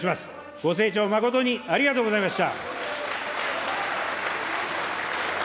ご清聴まことにありがとうございました。